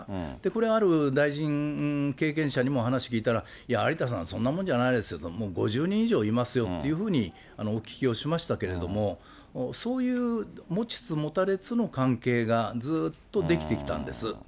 これ、ある大臣経験者にもお話聞いたら、いや、有田さん、そんなもんじゃないですよと、もう５０人以上いますよというふうに、お聞きをしましたけれども、そういう持ちつ持たれつの関係がずっと出来てきたんです。